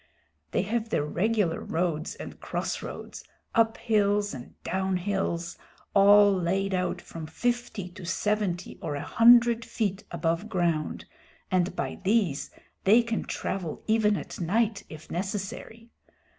They have their regular roads and crossroads, up hills and down hills, all laid out from fifty to seventy or a hundred feet above ground, and by these they can travel even at night if necessary.